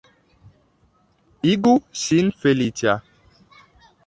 Igu ŝin feliĉa!